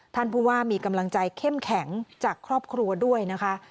ท่านผู้ว่ามีกำลังใจเข้มแข็งจากครอบครัวด้วยนะคะ